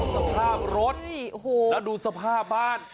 แล้วดูสภาพบ้าน